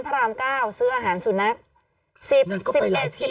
กล้องกว้างอย่างเดียว